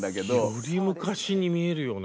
より昔に見えるよな。